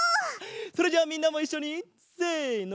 それじゃあみんなもいっしょにせの！